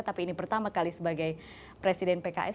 tapi ini pertama kali sebagai presiden pks